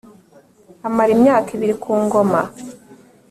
Amara imyaka ibiri ku ngoma